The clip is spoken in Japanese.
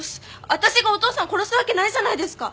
私がお父さんを殺すわけないじゃないですか！